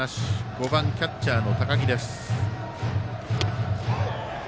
５番、キャッチャーの高木。